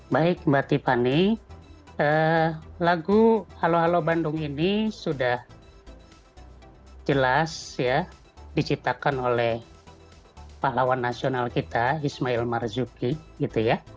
baik mbak tiffany lagu halo halo bandung ini sudah jelas ya diciptakan oleh pahlawan nasional kita ismail marzuki gitu ya